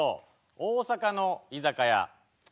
大阪の居酒屋」。